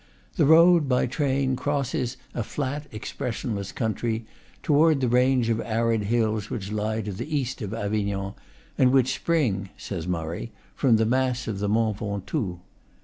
The road, by train, crosses a flat, ex pressionless country, toward the range of arid hills which lie to the east of Avignon, and which spring (says Murray) from the mass of the Mont Ventoux.